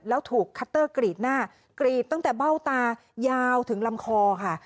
แล้วถูกคัตเตอร์กรีดหน้ากรีดตั้งแต่เบ้าตายาวถึงลำคอค่ะ